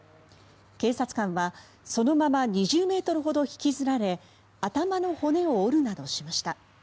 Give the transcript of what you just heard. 警察官はそのまま２０ｍほど引きずられ頭の骨を折るなどしました。